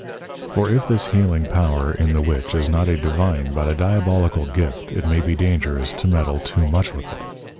_ For if this healing power in the Witch is not a Divine but a Diabolical Gift, it may be dangerous to meddle too much with it.